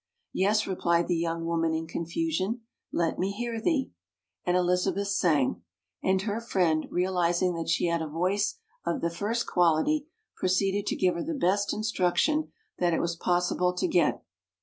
"Yes," replied the young woman in confusion. "Let me hear thee." And Eliza beth sang ; and her friend, realizing that she had a voice of the first quality, proceeded to give her the best instruction that it was pos sible to get.